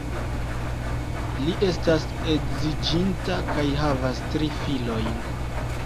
Li estas edziĝinta kaj havas tri filojn.